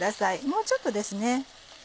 もうちょっとですね。